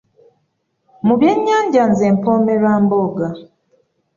Mu byennyanja nze mpoomerwa Mbogga.